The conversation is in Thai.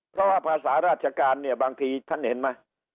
เพราะว่าภาษาราชการเนี่ยบางทีท่านเห็นไหม